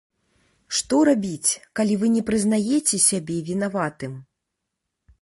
Што рабіць, калі вы не прызнаеце сябе вінаватым?